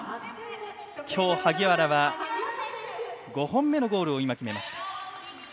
今日、萩原は５本目のゴールを今、決めました。